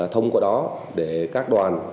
thông qua đó để các đoàn